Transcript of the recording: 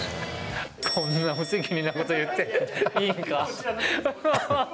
こんな無責任なこと言っていいのかな。